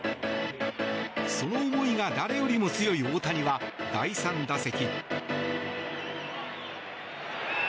その思いが誰よりも強い大谷は第３打席。